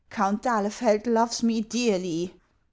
Count d'Ahlefeld loves me dearlv.